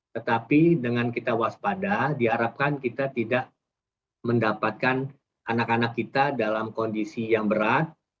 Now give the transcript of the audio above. tetapi dengan kita waspada diharapkan kita tidak mendapatkan anak anak kita dalam kondisi yang berat